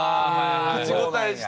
口答えして。